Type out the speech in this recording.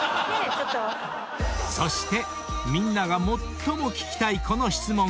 ［そしてみんなが最も聞きたいこの質問へ］